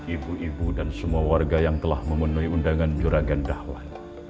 ibu ibu dan semua warga yang telah memenuhi undangan yuragan dahlan